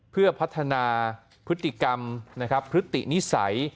เพื่อพัฒนาพฤติกรรมพฤตินิสัย